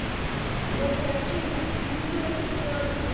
うろこがキラキラ輝くのが特徴なんですね。